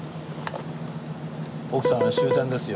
奥さん終点ですよ。